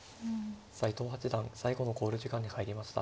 斎藤八段最後の考慮時間に入りました。